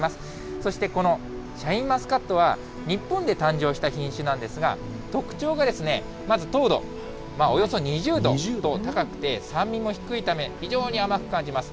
そして、このシャインマスカットは、日本で誕生した品種なんですが、特徴がまず糖度、およそ２０度と高くて、酸味も低いため、非常に甘く感じます。